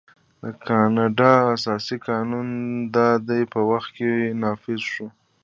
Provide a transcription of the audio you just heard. د کاناډا اساسي قانون د ده په وخت کې نافذ شو.